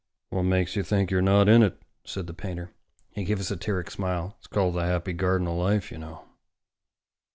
"What makes you think you're not in it?" said the painter. He gave a satiric smile. "It's called 'The Happy Garden of Life,' you know."